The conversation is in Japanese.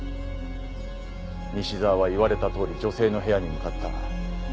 西沢は言われたとおり女性の部屋に向かった。